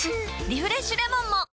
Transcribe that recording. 「リフレッシュレモン」も！